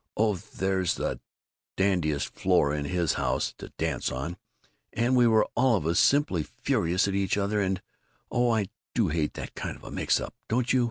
oh, there's the dandiest floor in his house to dance on and we were all of us simply furious at each other and Oh, I do hate that kind of a mix up, don't you?